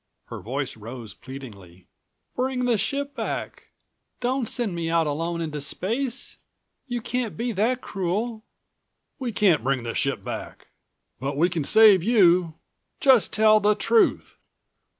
Her voice rose pleadingly. "Bring the ship back. Don't send me out alone into space. You can't be that cruel " "We can't bring the ship back. But we can save you. Just tell the truth.